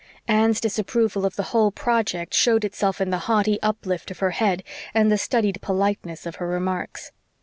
Anne's disapproval of the whole project showed itself in the haughty uplift of her head and the studied politeness of her remarks.